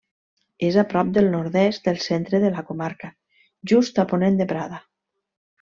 És a prop al nord-est del centre de la comarca, just a ponent de Prada.